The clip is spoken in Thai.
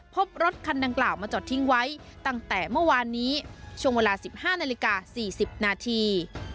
พบรถคันดังกล่าวมาจอดทิ้งไว้ตั้งแต่เมื่อวานนี้ช่วงเวลา๑๕นาฬิกา๔๐นาที